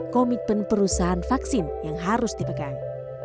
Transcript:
komitmen perusahaan vaksin yang harus dipegang